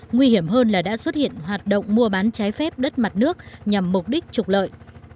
nguy hiểm hơn là đã xuất hiện hoạt động mua bán trái phép đất mặt nước nhằm mục đích trục lợi